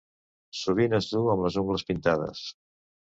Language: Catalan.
Sovint es duu amb les ungles pintades.